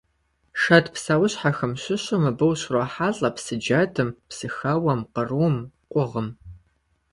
Шэд псэущхьэхэм щыщу мыбы ущрохьэлӀэ псы джэдым, псыхэуэм, кърум, къугъым.